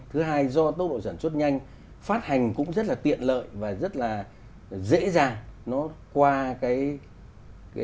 thứ hai do tốc độ sản xuất nhanh phát hành cũng rất là tiện lợi và rất là dễ dàng